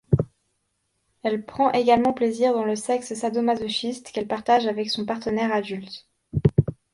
Elle prend également plaisir dans le sexe sadomasochiste qu'elle partage avec son partenaire adulte.